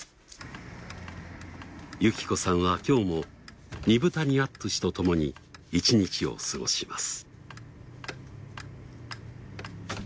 雪子さんは今日も二風谷アットゥシとともに一日を過ごします。